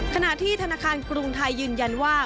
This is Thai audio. ขณะที่ธนาคารกรุงไทยยืนยันว่า